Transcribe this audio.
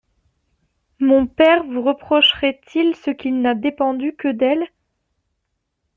Mon père vous reprocherait-il ce qui n'a dépendu que d'elle?